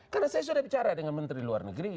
karena saya sudah bicara dengan menteri luar negeri